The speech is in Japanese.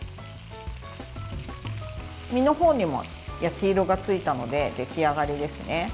身の方にも焼き色がついたので出来上がりですね。